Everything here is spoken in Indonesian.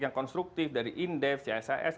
yang konstruktif dari indef cs